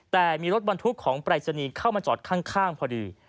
แต่มีรถบรรทุกของปรายศนีย์เข้ามาจอดข้างพอดี